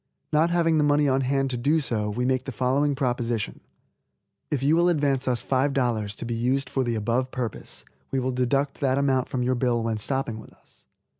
Not having the money on hand to do so, we make the following proposition: If you will advance us $5, to be used for the above purpose, we will deduct that amount from your bill when stopping with us.